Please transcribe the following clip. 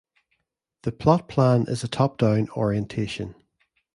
The plot plan is a 'top-down' orientation.